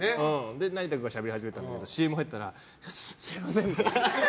で、成田君がしゃべり始めたんだけどＣＭ入ったら、すみませんって。